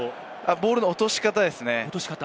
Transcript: ボールの落とし方です。